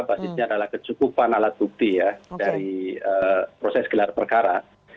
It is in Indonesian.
basisnya adalah kecukupan alat bukti ya dari proses gelar perkara